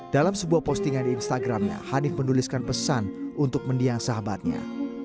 dalam sebuah postingan di instagramnya hanif menuliskan pesan untuk mendiang sahabatnya